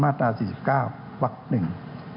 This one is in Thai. มาตรา๔๙วักหนึ่ง